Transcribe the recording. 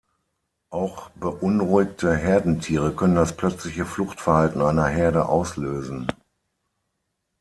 Auch beunruhigte Herdentiere können das plötzliche Fluchtverhalten einer Herde auslösen.